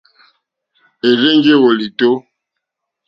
Érzènjé wòlìtó.